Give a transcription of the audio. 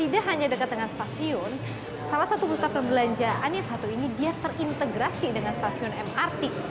tidak hanya dekat dengan stasiun salah satu pusat perbelanjaan yang satu ini dia terintegrasi dengan stasiun mrt